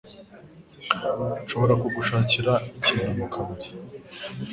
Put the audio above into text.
Nshobora kugushakira ikintu mukabari?